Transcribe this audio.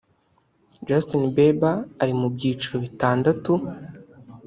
Justin Beiber ari mu byiciro bitandatu